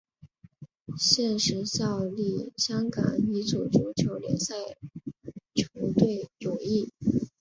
现时效力香港乙组足球联赛球队永义。